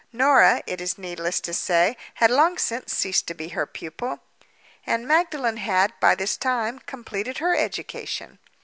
Norah, it is needless to say, had long since ceased to be her pupil; and Magdalen had, by this time, completed her education.